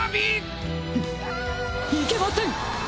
フムいけません！